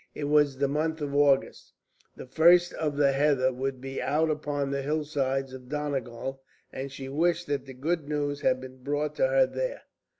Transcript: It was the month of August. The first of the heather would be out upon the hillsides of Donegal, and she wished that the good news had been brought to her there.